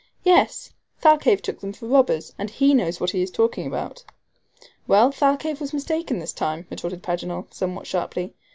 "Yes. Thalcave took them for robbers, and he knows what he is talking about." "Well, Thalcave was mistaken this time," retorted Paganel, somewhat sharply.